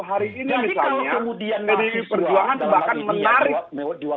jadi kalau kemudian mahasiswa dalam aktivitas mewakili mahasiswa